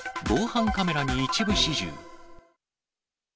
防犯カメラに一部始終。